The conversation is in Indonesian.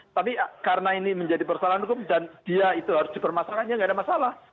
tapi karena ini menjadi persoalan hukum dan dia itu harus dipermasakannya tidak ada masalah